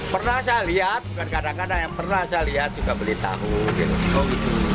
pernah saya lihat bukan kadang kadang yang pernah saya lihat juga beli tahu gitu